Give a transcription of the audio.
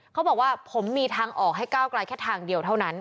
เขาบอกว่าผมมีทางออกให้ก้าวกลายแค่ทางเดียวเท่านั้น